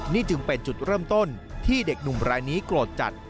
นี่จึงเป็นจุดเริ่มต้นที่เด็กหนุ่มรายนี้โกรธจัด